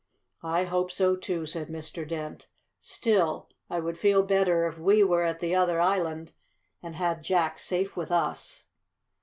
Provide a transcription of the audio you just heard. "I hope so, too," said Mr. Dent. "Still I would feel better if we were at the other island and had Jack safe with us."